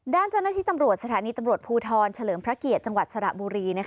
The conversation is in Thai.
ด้านเจ้าหน้าที่ตำรวจสถานีตำรวจภูทรเฉลิมพระเกียรติจังหวัดสระบุรี